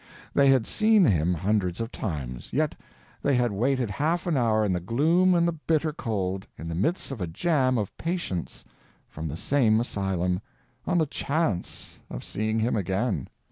They had seen him hundreds of times, yet they had waited half an hour in the gloom and the bitter cold, in the midst of a jam of patients from the same asylum, on the chance of seeing him again.